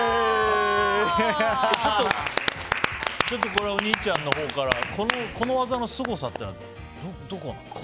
ちょっとお兄ちゃんのほうからこの技のすごさっていうのはどこなの？